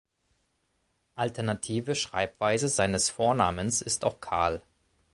Alternative Schreibweise seines Vornamens ist auch Carl.